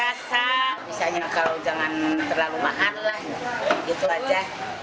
rasa misalnya kalau jangan terlalu mahal lah gitu aja